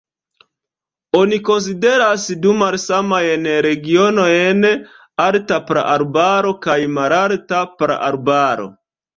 Oni konsideras du malsamajn regionojn: alta praarbaro kaj malalta praarbaro.